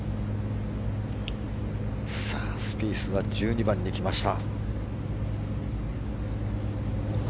スピースが１２番に来ました。